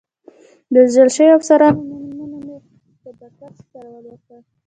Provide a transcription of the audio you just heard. د وژل شویو افسرانو نومونه مې هم په دقت سره ولوستل.